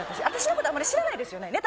私私のことあまり知らないですよね